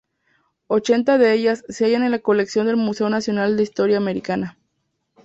Ochenta de ellas se hallan en la colección del Museo Nacional de Historia Americana.